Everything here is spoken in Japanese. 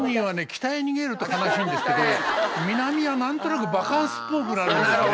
北へ逃げると悲しいんですけど南は何となくバカンスっぽくなるんですね。